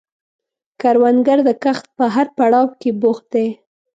کروندګر د کښت په هر پړاو کې بوخت دی